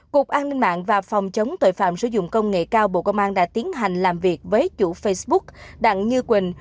cục an ninh mạng và phòng chống tội phạm sử dụng công nghệ cao bộ công an đã tiến hành làm việc với chủ facebook đặng như quỳnh